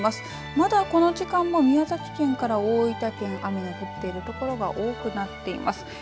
まだこの時間も宮崎県から大分県雨が降っているところが多くなっています。